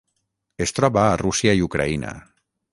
Es troba a Rússia i Ucraïna.